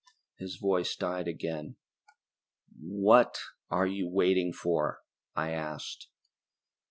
His voice died again. "What are you waiting for?" I asked.